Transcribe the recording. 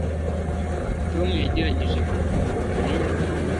tom yagerageje gukurura mariya